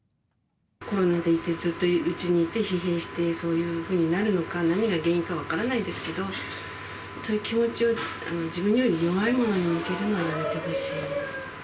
コロナでずっとうちにいて、疲弊して、そういうふうになるのか、何が原因か分からないですけれども、そういう気持ちを自分より弱いものに向けるのは、やめてほしい。